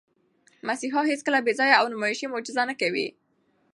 مسیحا هیڅکله بېځایه او نمایشي معجزه نه کوي.